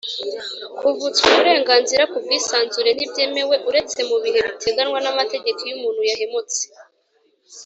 Kuvutswa uburenganzira ku bwisanzure ntibyemewe uretse mu bihe biteganywa n amategeko iyo umuntu yahemutse